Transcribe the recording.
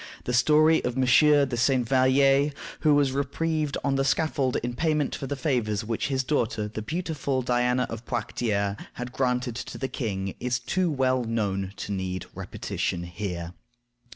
The story of M. de St. Vallier, who was reprieved on the scaffold in payment for the favors which his daughter, the beautiful Diana of Poictiers, had granted to the king, is too well known to need repetition here.